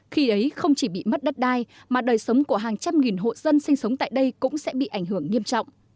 khi ấy không chỉ bị mất đất đai mà đời sống của hàng trăm nghìn hộ dân sinh sống tại đây cũng sẽ bị ảnh hưởng nghiêm trọng